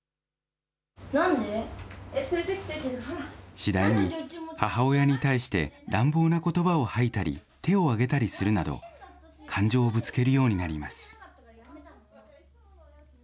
次第に、母親に対して乱暴なことばを吐いたり、手をあげたりするなど、感情をぶつけるようになります。